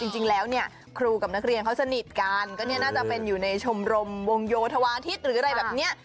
จริงแล้วเนี่ยครูกับนักเรียนเขาสนิทกันก็เนี่ยน่าจะเป็นอยู่ในชมรมวงโยธวาทิศหรืออะไรแบบนี้